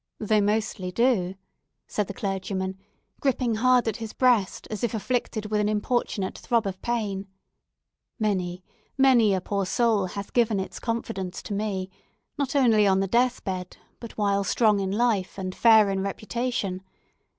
"They mostly do," said the clergyman, griping hard at his breast, as if afflicted with an importunate throb of pain. "Many, many a poor soul hath given its confidence to me, not only on the death bed, but while strong in life, and fair in reputation.